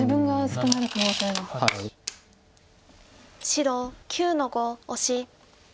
白９の五オシ。